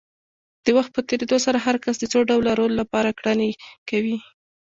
د وخت په تېرېدو سره هر کس د څو ډوله رول لپاره کړنې کوي.